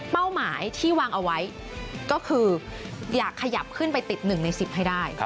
หมายที่วางเอาไว้ก็คืออยากขยับขึ้นไปติด๑ใน๑๐ให้ได้